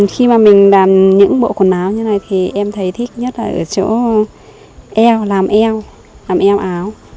khi mà mình làm những bộ quần áo như này thì em thấy thích nhất là ở chỗ eo làm eo làm eo áo